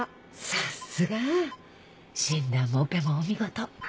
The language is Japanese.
さすが！診断もオペもお見事。